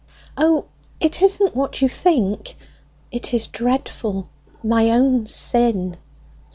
"O, it isn't what you think! It is dreadful: my own sin!"